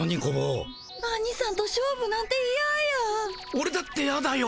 オレだってヤだよ。